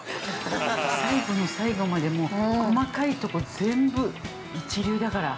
最後の最後まで、細かいところ全部一流だから。